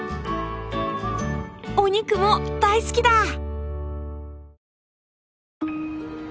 お肉も大好きだ！